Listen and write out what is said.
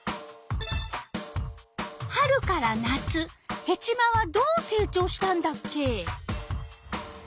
春から夏ヘチマはどう成長したんだっけ？